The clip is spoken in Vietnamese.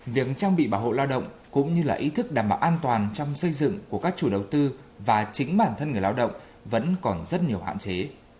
việc trang bị bảo hộ lao động cũng như là ý thức đảm bảo an toàn trong xây dựng của các chủ đầu tư và chính bản thân người lao động vẫn còn rất nhiều hạn chế